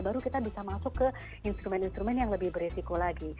baru kita bisa masuk ke instrumen instrumen yang lebih beresiko lagi